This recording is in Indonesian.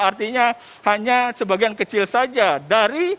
artinya hanya sebagian kecil saja dari